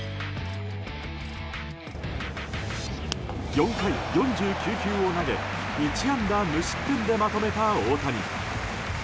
４回４９球を投げ１安打無失点でまとめた大谷。